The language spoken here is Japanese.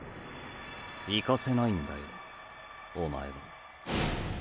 行かせないんだよおまえは。